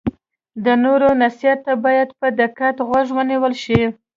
د نورو نصیحت ته باید په دقت غوږ ونیول شي.